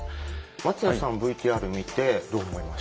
松谷さんＶＴＲ見てどう思いましたか？